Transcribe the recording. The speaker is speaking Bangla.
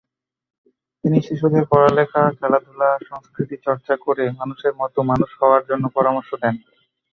তিনি শিশুদের পড়ালেখা, খেলাধুলা, সংস্কৃতিচর্চা করে মানুষের মতো মানুষ হওয়ার জন্য পরামর্শ দেন।